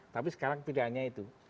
tapi sekarang pilihannya itu